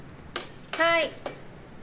はい。